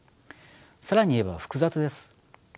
更に言えば複雑です。